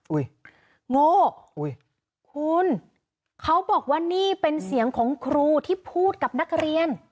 โงอุ้ยคุณเขาบอกว่านี่เป็นเสียงของครูที่พูดกับนักเรียน